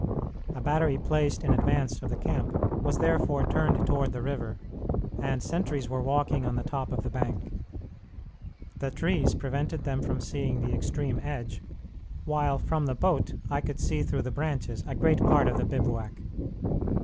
A battery placed in advance of the camp was therefore turned toward the river, and sentries were walking on the top of the bank. The trees prevented them from seeing the extreme edge, while from the boat I could see through the branches a great part of the bivouac.